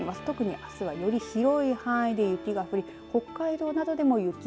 特にあすはより広い範囲で雪が降り北海道などでも雪。